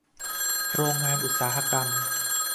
โรงงานอุตสาหกรรม